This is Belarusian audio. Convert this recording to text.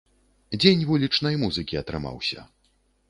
Дзень вулічнай музыкі атрымаўся.